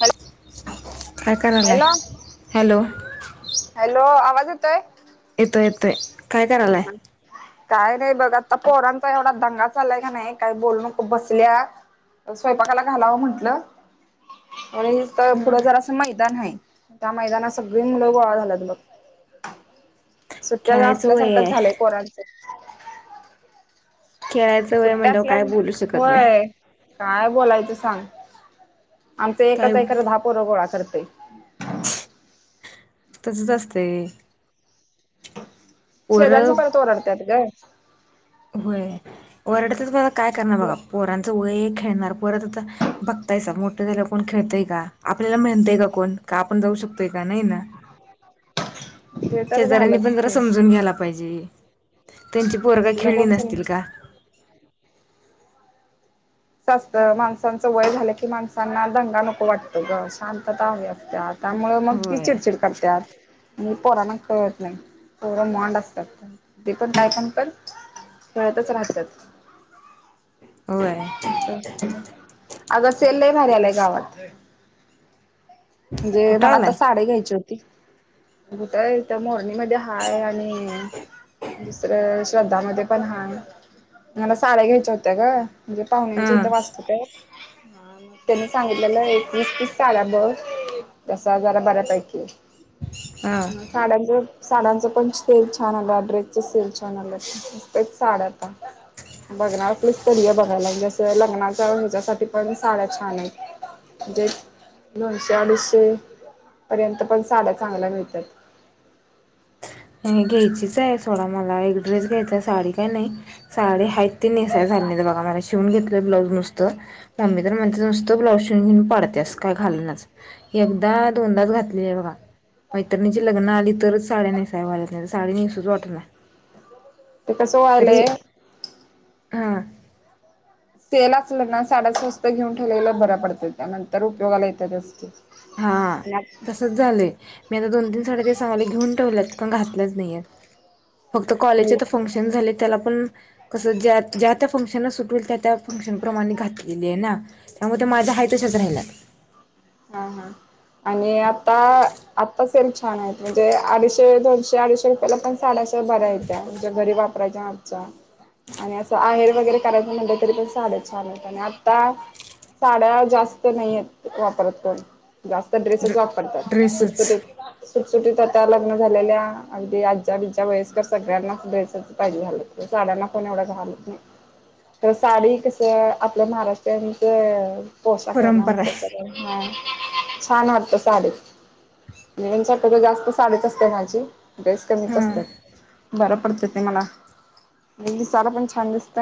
Hello कायकारलाय hello hello hello आवाज येतोय येतो येत ह काय नाही बघ आता पोरांचा एवढा दंगा चाललाय का नाही काही बोलण खू बसल्या स्वयंपाकाला घालावं म्हंटलं आणि तर हा पुढं जरा असं माहिित मैदान आहे त्या मैदानात सगळी मुलं गोळा झालात बघ सुट्ट्या खेळायचं वय असल्यासारखं आहे झालंय पोरांच खेळायचं वय सुट्ट्या म्हणल्यावर असल्या काय बोलू शकत नाही होय काय बोलायचं सांग आमचा काय एकाचा ए धापोर गोळा करतय. तसच असतंय. पोर शेजारचे पण त ओरडतात ग. होय. वरडतील - काय करणार बघा ते पोरांचं वयए खेळणार पोरत. [unintelligible] मोठं झालं कोण खेळतए का? आपल्याला म्हणतय का कोण? का आपण जाऊ शकतोय का नाही ना? तर शेजाऱ्यांनी झालंच पण जरा ते समजून घ्यायला पाहिजे. त्यांची पोरग- कुठलं खेळली कोण सम नसतील का? अस असत माणसांचं वय झालं की माणसांना दंगा नको वाटतो ग. शांतता हवी असते - त्यामुळे मग ती होय चिडचिड करत्यात. म पोरांना कळत नाही. पोरं वांड असतात. ते पण काही पण पण- खेळतच राहतात. होय. अग सेल्ल [unintelligible] गावात. म्हणजे कुठं मला आलाय आता साडी घ्यायचे होती- घुट आहे तर, मॉर्निगमध्ये हाय आणि दुसरं- श्रद्धामध्ये. पण हा मला साड्या घ्यायच्या होत्या ग, म्हणजे हा पाहुण्यांच्या इथे वाचत त्या- हा मग त्यांनी सांगितलेलं एक वीस तीस साड्या बघ. दस हजारा बऱ्यापैकी हा साड्या - साड्यांचा पण सेल छान आला. ड्रेसचा सेल छान आला. तेच साड्यात- बघणार आपली [unintelligible] लग्नाच्या ह्याच्यासाठी पण साड्या छान आहेत. म्हणजे- दोनशे अडीचशे पर्यंत पण साड्या चांगल्या मिळतात. घ्यायचीच आहे सोडा मला. एक ड्रेस घ्यायचा साडी काय नाही- साडी हायेच ती नेसाय झाली नाही बघा मला. शिवून घेतलं ब्लाउज नुसतं- मम्मी तर म्हणते, नुसतं ब्लाउज शिवून घेऊन पाडतेस काय घालनाच. एकदा- दोनदाच घातलीय बघा, नाहीतर म्हणजे लग्न आलं तरच - साड्या नेसाव्या [unintelligible] साडी नेसू च वाटना - ते कसं व्हायलंय? हा. सेल असलं ना, साड्या स्वस्त घेऊन ठेवलेला बऱ्या पडतात त्या. त्यानंतर उपयोगाला येतते. हा तसच झालंय. मी आता दोन तीन साड्या ते सांगले घेऊन ठेवल्यात पण - नाही. फक्त कॉलेजचे मी तर फंक्शन झाले त्याला पण- कस ज्या त्या फंक्शन सुट होत त्या त्या फंक्शन प्र्रमाणे घातलेली आहे ना? त्यामध्ये माझा [unintelligible] [unintelligible] हा हा. आणि आता? आता सेल छान आहेत. म्हणजे अडीचशे दोनशे अडीचशे रुपयाला पण साड्या- [unintelligible] घरी वापरायच्या आजचा. आणि असं आहेर वगैरे करायचं म्हणलं तरी पण साध्याच साड्या छान होत आणि आता- साड्या जास्त नाही आहेत वापरत. पण जास्त ड्रेसेस वापरतात ड्रेसच सुटसुटीत. सुटीत आता लग्न झालेल्या अगदी आज्याबीज्या वयस्कर सगळ्यांनाच ड्रेस च पाहिजे झालं. पण एवढ घालत नाही. तर साडी कसं आपलं महाराष्ट्रीयांचं - पोशाख आहे परंपरा म्हंटल. आहे म्ह छान वाटत साडी म्ह- तर जास्त साडीच असते माझी. ड्रेस कमीच हा असतोय. बर. डत ते मला. ते दिसायला पण छान दिसत-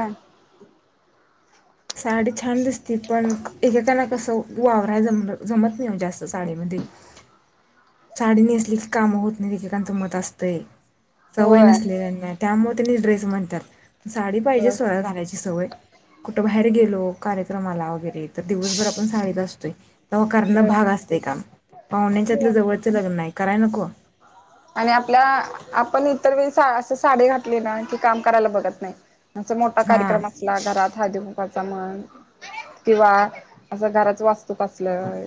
साडी छान दिसती. पण एकेकाला कसं वावराय जमत नाही जास्त साडीमध्ये. [unintelligible] साडी नेसली की कामं होत नाही, इतरांचं मत असतंय. सवय होय. नसलेल्याना- त्यामुळे त्यांनी ड्रेस म्हणतात. साडी पाहिजे होय सवय घालायची सवय कुठ- बाहेर गेलो कार्यक्रमाला वगैरे- तर दिवसभर आपण साडीत असतोय. तेव्हा करण भाग असतेय काम. पाहुण्याच्यातलं जवळ नाही कराय नको. आणि आपल्या, आपण इतर वेळी सा अस साडी घातली ना कि, काम करायला बघत नाही. अस मोठा हा कार्यक्रम असला घरात, हळहदीकुंकवाचा म्हण. किंवा असं घराच वास्तूक असल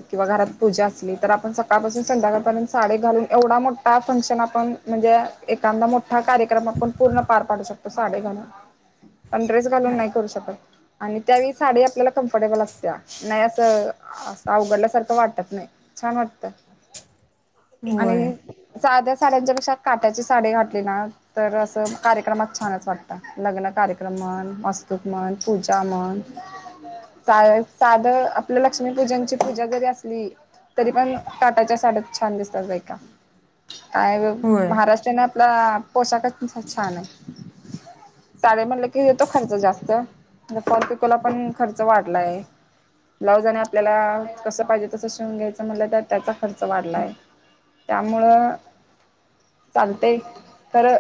किंवा घरात पूजा असली, तर आपण सकाळपासून संध्याकाळ पर्यंत साडी घालून एवढा मोठा ठा फंक्शन आपण म्हणजे एखादा मोठा कार्यक्रम, आपण पूर्ण पार पाडू शकतो साडी घालुन. पण ड्रेस घालून नाही करू शकत. आणि त्यावेळी साडी आपल्याला कम्फर्टेबल असत्या. नाही असं, असं अवघडल्यासारखं वाटत नाही. छान वाटत. आणि होय साध्या साड्यांच्यापेक्षा काट्याची साडी घातली ना, तर असं कार्यक्रमात छानच वाटतं. लग्नात. कार्यक्रम म्हण, वास्तूक म्हण, पूजा म्हण. सा साध आपल्या लक्ष्मी पूजनची पूजा जरी असली तरी पण काटाच्या साड्यात छान दिसतात बायका. काय होय महाराराष्ट्रीयना. पोशाखच तसा छानय. साडया म्हणलं की येतो खर्च जास्त, फॉल - पिकोला पण खर्च वाढलाय. ब्लाउज आणि आपल्याला कसं पाहिजे तसं, शिवून घ्यायचं म्हटलं तर, त्याचा खर्च वाढलाय. त्यामुळं चालतय खरं.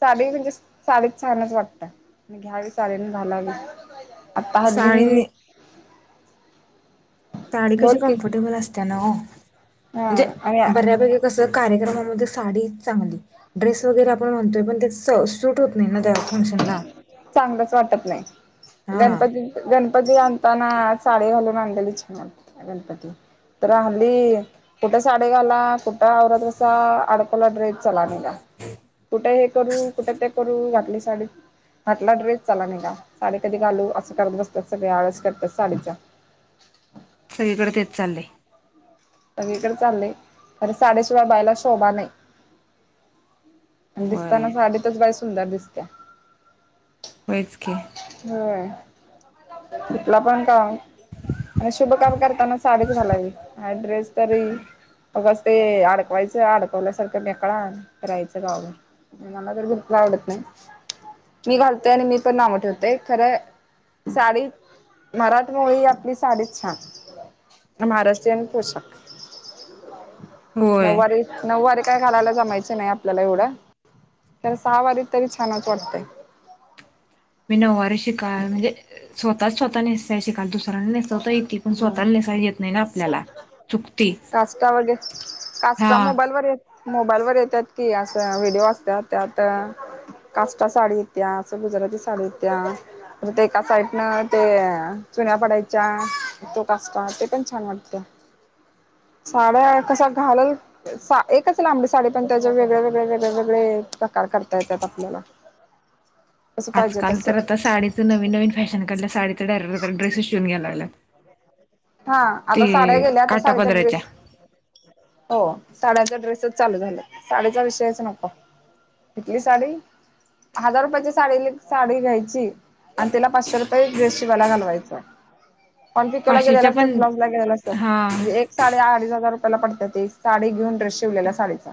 साडी म्हणजे, साडीत छानच वाटतय. घ्यावी साडी न घालावी. [unintelligible] आता [unintelligible] साडीने साडी कशी बोल की कम्फर्टेबल असतेया ना ओ. हा म्हणजे, आणि बऱ्यापैकी कस कार्यक्रमामध्ये साडी चांगली. ड्रेस वगैरे आपण म्हणतोय पण स शुट होत नाही ना त्या फंक्शनला [unintelligible] चांगलंच वाटत नाही. हा गणपतीत, गणपती आण ताना साडी घालून आणलेल, छान वाटत गणपती. तर हल्ली, कुठे साडी घाला? कुठ आवरत बसा. आडकला ड्रेस चला निघा. कुठ हे करू, कुठे ते करू [unintelligible] आणि साडी. हटला ड्रेस चला निघा. साडी कधी घालू? असं करत बसतात सगळे. आळस करत्यात साडीचा. [unintelligible] सगळीकड तेच चाललंय. सगळीकडे चाललंय. अरे साडेसोळा बायला शोभा नाही. होय दिसताना साडीतच बाई सुंदर दिसत्या. होयच की होय. [unintelligible] पण का आणि शुभ काम करताना साडीच घालावी. हा ड्रेस तरी उगच ते अडकवायचं, अडकवल्यासारखं मेकळा न फिरायचं गावभर. मला तर [unintelligible] आवडत नाही. मी घालते आणि मी पण नावं ठेवते. खरंय साडी, मराठमोळी आपली साडीच छान. महाराष्ट्रीयन पोशाख. होय नऊवारीत, नऊवारी काय घालायला जमायचं नाही, आपल्याला एवढं. तर सहावारीत तरी छानच वाटतय. मी नववारी शिका म्हणजे स्वतःच स्वतः नेसाय शिकालतो. दुस नेसवता येती. पण स्वतःला नेसायला येत नाही ना, आपल्याला. चुकती [unintelligible] काष्टा [unintelligible] हा काष्टा मोबाईलवर य मोबाईल वर येतात की, असं व्हिडिओ असतात त्यात काष्टा साडी येत्या, अस गुजराती साडी येत्या. ते एका साईडनं ते, चुन्या पडाय च्या तो काष्टा. ते पण छान वाटत. साड्या कश्या घालाल, सा एकच लांबडी साडी पण त्याच्या वेगळ्या, वेगळया, वेगळया, वेगळे प्रकार. करता येतात आपल्याला. कसं पाहिजे आजकाल तसं तर आता साडीचं नवीन नवीन फॅशन कडल्या साडी डर ड्रेसेस शिवून घ्यायला लागल्यात हा आता साड्या ते गेल्या आता साडचा काटापदराच्या ड्रेस हो साड्याचा ड्रेसच चालू झाला साडचा विषयच नको. तिथली साडी, हजार रुपयाची साडी साडी घ्यायची आणि त्याला पाचशे रुपये ड्रेस शिवाला घालवायच. पण पिकोला गेलेलं पाचशेच्या असत पण ब्लाउज ला गेले हा असत, एक साडे अडीच हजार पडतात साडी घेऊन ड्रेस शिवलेला साडीचा.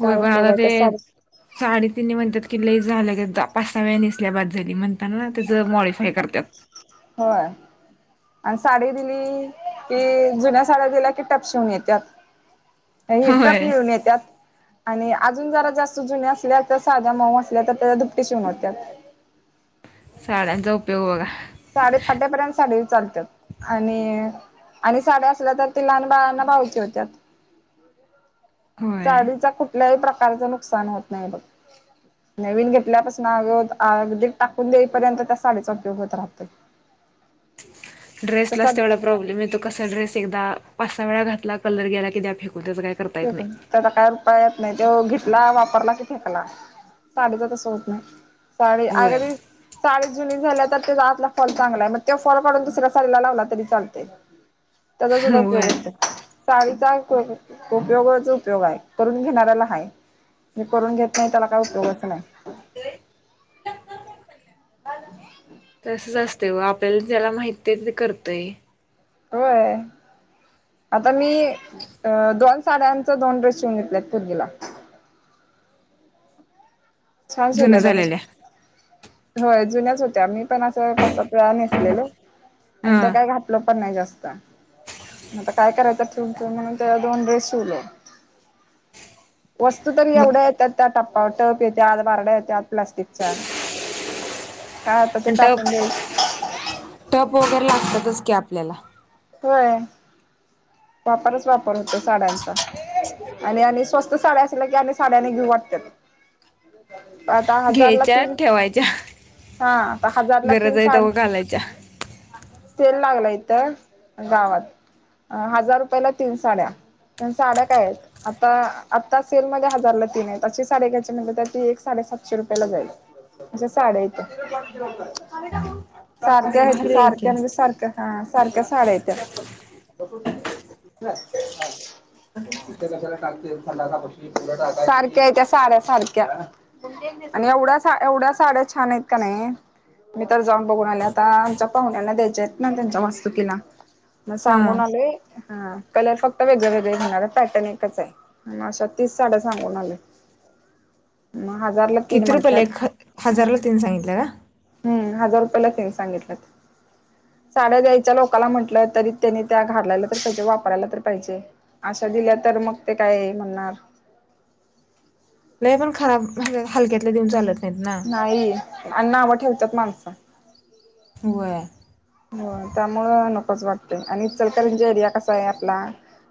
होय काय पण उपयोग आता आहे ते त्या साडी साडेतीनी म्हणतात की लई झालं [unintelligible] पासाव्या नेसल्या बाद झाली म्हणता ना त्याच मॉड होय आणि साडी दिली कि जुन्या साड्या दिल्या की टपशिवून येत्यात. हि टप होय मिळून येत्यात. आणि अजून जरा जास्त जुन्या असल्या तर साध्या मऊ असल्या तर त्याच्या दुपटी शिवूण होत्यात. [inaudible] साड्यांचा उपयोग बघा. साडी फाट्यापर्यंत साडी चालतात आणि आणि साड्या असल्या तर ती लहान बाळंना पाहुची होत्या. होय साडीच कुठल्याही प्रकारचं नुकसान होत नाही बघ. नवीन घेतल्यापासून अग अगदी टाकून देईपर्यंत त्या साडीचा उपयोग होत राहतो. [inaudible] ड्रेसलाच तेवढा प्रॉब्लेम येतो कसा ड्रेस एकदा पाच सहा वेळा घातला कलर गेला द्या फे ते आता काय उपाया नाही तो घेतला वापरला की फेकला साडीच तस होत नाही. साडी होय. अगदी साडी जुनी झाल्या तर त्या आतला फॉल चांगलाय मग तो फॉल काडून दुसऱ्या साडीला लावला तरी चालतय. त्याचा सुद्धा उपयोग होय असतय साचाडीचा उपयोगच उपयोग आहे करून घेणाऱ्याला हय. मी करून घेत नाही त्याला काय उपयोगच नाही. [unintelligible] तसच असते व आपल्याला ज्याला माहित ते करतय. होय. आता मी दोन साड्यांचा दोन ड्रेस शिवून घेतलेत पूर्वीला. छान जुन शिवल्यात आणि, झालेल्या होय. जुन्याच होत्या मी पण अस पाच सात वेळा नेसलेलो आणि त्या हा काय घातल पण नाही जास्त. आता काय करायचं ठेवून ठेवून म्हणून ते दोन ड्रेस शिवलो. [inaudible] वस्तू तर ब एवढ्या येतात त्या टप्पाटप येत्या बारड्या येत्या प्लास्टिकच्या. [unintelligible] आता ते आणि टप टाकून द्यायचं टप वगैरे लागतातच की आपल्याला. होय वापरच वापर होतो साड्यांचा. आणि आणि स्वस्त साड्या असल्या की आणि साड्याने घेऊ वाटत्यात. आता हजारला घ्यायच्या तीन ठेवायच्या हा आता हजारला तीन गरज आहे सा तवा घालायच्या. सेल लागला इथं, गावात हजार रुपयाला तीन साड्या. साड्या काय आहेत. आता आता सेलमध्येध्ये हजारला तीन आहेत. अशी साड्या घ्यायची म्हणल तर ती एक साड्या सातशे रुपयाला जाईल, आश्या साड्या सारख्या मग आहेत भारी आहे सारख्या की म्हणजे सारख्या हा सारख्या साड्या येत्यात. [unintelligible] इथे कचरा टाकते. सारख्या आहेत त्या साड्या सारख्या आणि एवढ्या एवढ्या साड्या छान आहेत का नाही. मी तर जाऊन बघून आले आता आमच्या पाहुण्यांना द्यायचे आहेत ना त्यांच्या वास्तुकीला हा चांगो नाल हा कलर फक्त वेगळे वेगळे घेणार पॅटर्न एकच आहे मग अशा तीच साड्या सांगून आले म हजारला तीन किती रुपयाला म्हख्यात एक हजारला तीन सांगितलं का? हम्म ह रुग साड्या द्यायच्या लोला म्हट तरी त्यानी त्या घाललायला तर पाहिजे वापरायला तर पाहिजे अशा दिल्या तर मग ते काय म्हणणार ह नाही पण खराब हलक्यातल्या देऊन चालत नाहीत ना. नाही आणि् नावं ठेवतात माणसं वर हो त्यामुळ नकोच वाटतय आणि सलकार्यांची आयडिया कसा आहे आपला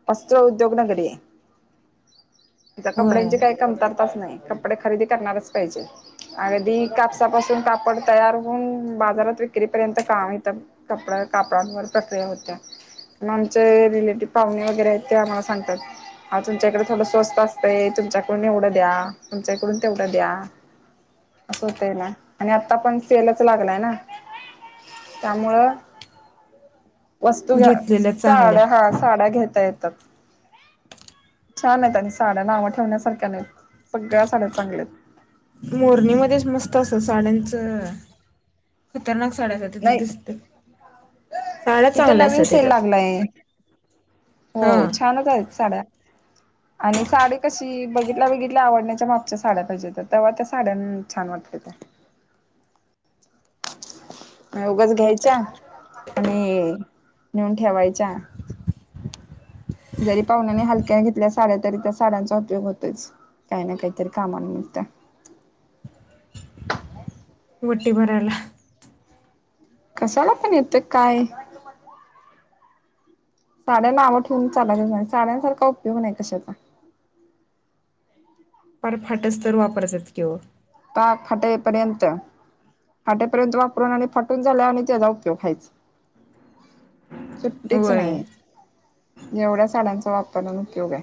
वस्त्र उद्योग नगरी आहे आ होय कपड्यांचे काय कमतात नाही कपडे खरेदी करणारच पाहिजे अदी कापसापासून कापड तयार होऊन बाजारात विक्रीपर्यंत काम येतं कपड्या कापडांवर प्रक्रिया होत्या मण आमचे रिलेटिव पाहुणे वगैरे आहेत ते आम्हाला सांगतात हा तुमच्याकडे थोडं स्वस्त असत तुमच्याकडून एवढं द्या तुमच्याकडून तेवढं द्या अस हो तेला आणि आता पण सेलच लागलाय ना वत घेतलेल्या घड चांगल्या. हाड्या घेत येतात छान आहेत आणि साड्या नाव ठेवण्यासारख्या नाही मोरणी मध्येच मस्त असत साड्यांचं खतरनाक साड्यासाठी त तू नाही दिसत इथं नवीन सेल लागलाय हो हा छानच आहेत साड्या ह आणि साडी कशी बघितल्या बघितल्या आवडण्याच्या मापच्या साड्या पाहिजेत तेव्हा त्या साड्या छान वाटते उगच घ्यायच्या आणि नेऊन ठेवायच्या जरी पाहुनाने हलक्याने घेतल्या साड्या तरी त्या साड्यांचा उपयोग होतच काही ना काहीतरी कामाला मिळत मोटी बराला कसाला पण येतं काय साड्या ना आवं ठेवून चालायच नाही साड्यांसारखा उपयोग नाही कशाचा फार फाटच तर वापरतात किं खाटेपर्यंत फाट्यापर्यंत वापरून आणि फाटून झाल्या आणि त्याचा उपयोग वायचा सुट्टीच होय नाहीये एवढ्या साड्यांचा वापरण उपयोग आहे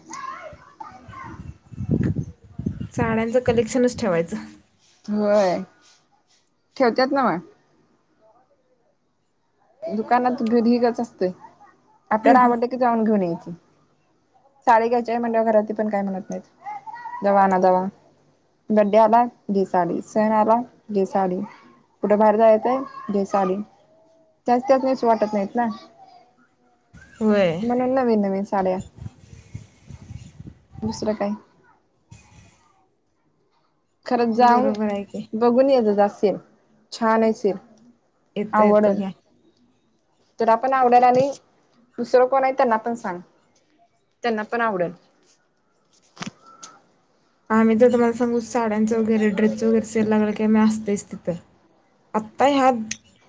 साड्यांच कलेक्शनच ठेवायचं होय ठेवतत ना म दुकानात भीिकच असते आपल्याला आवडत क जाऊन घेऊन यायची साडी घ्यायच्या आहे म्हणजे घरात पण काय म्हणत नाही जावा आनाजावा ग्डे्या आला जी साडी सहण आला जी साडी कुठे बाहेर जा येत आहे जे साडी त्यास्तत नस वाटत नाहीत ना होय म्हणून नवीन नवीन साड्या दुसरं काय खरंच जाऊन बरोबर आहे की बघून ये जा जा सेल छान अआहे सेल येतो येतो का तर आपण आवडल आणि दुसरं कोण आहे त्यांना पण सांग त्यांना पण आवडेल आम्ही तर तुम्हाला सांगू साड्यांच वगरे डैससं वगैरेय लागल की आम्ही असच आता ह्या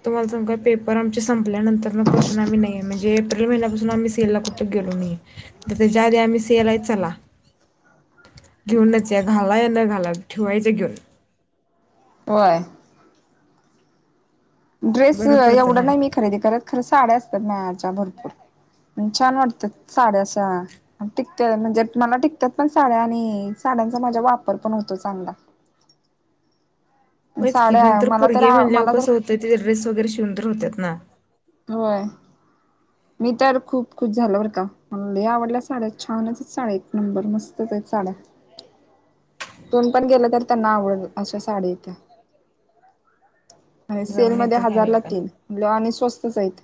तुम्हाला स पेपर आमचे सं संपल्यानंतर म्हणजे एप्रिल महिन्यापासून आम्ही सेलला कुठे गेलो नाही त्या आधी आ सेल आहे चला. [unintelligible] घेऊनच या घाला या न घाला ठेवायचं घेऊन. व्हय. ड्रेस बरं पडतं ना एवढं नाही मी खरेदी करत खरं साड्या असतात मच्या भरपूर छान वाटतात साड्याा टिकत म्हणजे मला टिकतात पण साड्या आणि साड्याचा माा वापर पण होतो चांगला. होत की साड्या नंतर मला तर पुरगे मल्ल्याव मला तर कसं होतं तिथे ड्रेस वगैरे शिवंदर होतात ना. होय. मी त्यावर खूप खुश झालवरर का म हे आवडल्या साड्यात छानच साड्या एक नंबर मस्त त्याच [unintelligible] तण पण गेलं तर त्यांना आवडल अशा साडी इथे. आणि सेल जाऊन मध्ये येतो की हजार आम्ही ला पण तीन म्ह आणि स्वस्तच आहेत.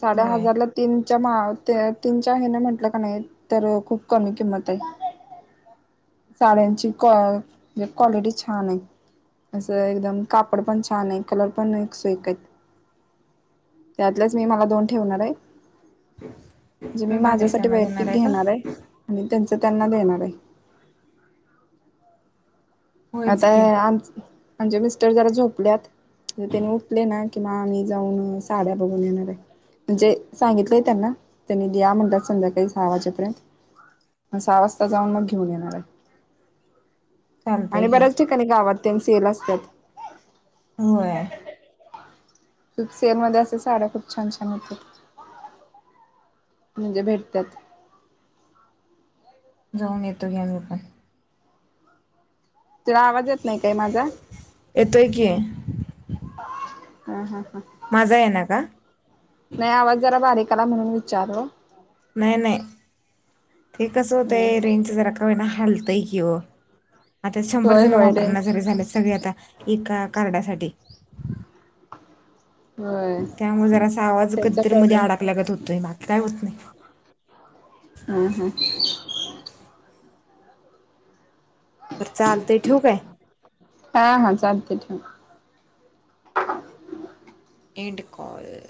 साडे होय हजार ला तीनच्या मा तीन च हे ना म्हंटलं का नाही तर खूप कमी किंमत आहे. साड्यांची क क्वालिटी छान आहे. असं एकदम कापड पण छान आहे कलर पण सोयकत त्यातलेच मी मला दोन ठेवणार आहे. म्हणजे मी माझ्यासाठी पाकिस्तानला जाणार वैयक्तिक का घेणार आहे आणि त्यां ते त्यांना देणार आहे. होयच आता की आम आमजे मिस्टर जरा झोपल्यात त्यानी उठले ना कि म आम्ही जाऊन साड्या बघून येणार आहे. म्हणजे सांगितलंय त्यांना त्यांनी ल म्हणतात संध्याकाळी सहा वाजेपर्यंत सहा वाजता जाऊन मग घेऊन येणार आहे. आणि चालतंय की बऱ्याच ठिकाणी गावात त्यांचे सेल असत्यात. होय. तप सेल मध्ये असे साड्या खूप छान छान येतात. म्हणजे भेटतात. जाऊन येतो घी आम्ही पण तुला आवाज येत नाही काय माझा. येतोय की हा ह ह माझा आहे ना का नाही आवाज जरा बारीक आला म्हणून विचार नाही नाही हे कसं होत ह रेंजच जरा कावे ना हल कि आता शंभर होय जण होय रे वापर जर झाले सगळे आता एका कार्डासाठी होय त्यामुळे जरासा आवाज त्याचा कधीतरी मध्ये प्रॉब्लेम आडकल्यागत होतोय बाकी काय होत नाही. हम्म हम्म. चालतंय ठेवू काय? हा हा चालतंय ठेव एंड कॉल